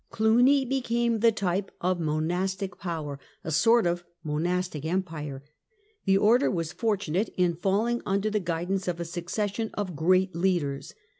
Cluny became the type of monastic power, a sort of "monastic empire." The Order was fortunate in falling under the guidance of a succession of great leaders.